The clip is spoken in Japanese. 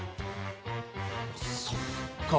そっか。